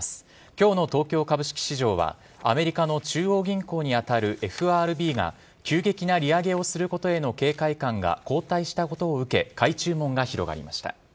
きょうの東京株式市場は、アメリカの中央銀行に当たるＦＲＢが急激な利上げをすることへの警戒感が後退したことを受け、買い注文が広がりました。